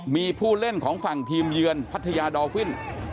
มีผู้เล่นของฝั่งทีมเยือนพัทยาดอลวิน